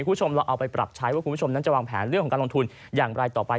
คุณผู้ชมเราเอาไปปรับใช้ว่าคุณผู้ชมนั้นจะวางแผนเรื่องของการลงทุนอย่างไรต่อไป